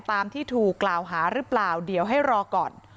ตามที่ถูกกล่าวหาหรือเปล่าเดี๋ยวให้รอก่อน